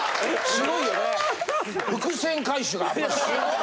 すごいよね。